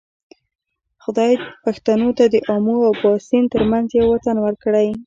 خدای پښتنو ته د آمو او باسین ترمنځ یو وطن ورکړی.